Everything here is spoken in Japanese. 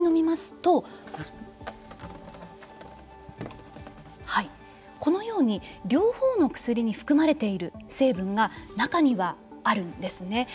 これをかぜ薬と一緒にのみますとこのように両方の薬に含まれている成分が中にはあるんですね。